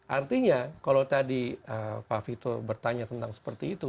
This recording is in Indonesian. artinya kalau tadi pak vito bertanya tentang seperti itu